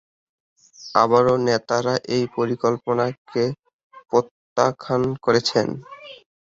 আরব নেতারা এই পরিকল্পনাকে প্রত্যাখ্যান করেন।